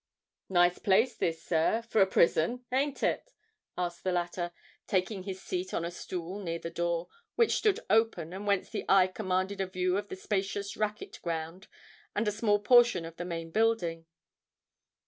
"Nice place this, sir, for a prison—ain't it?" asked the latter, taking his seat on a stool near the door, which stood open, and whence the eye commanded a view of the spacious racquet ground and a small portion of the main building.